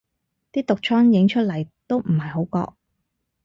啲毒瘡影出嚟都唔係好覺